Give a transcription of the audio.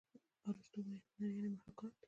ارستو وايي هنر یعني محاکات.